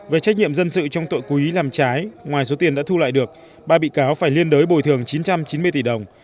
về trách nhiệm dân sự trong tội cố ý làm trái ngoài số tiền đã thu lại được ba bị cáo phải liên đối bồi thường chín trăm chín mươi tỷ đồng